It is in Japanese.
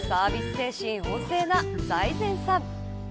精神旺盛な財前さん。